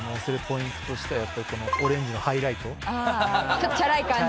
ちょっとチャラい感じ。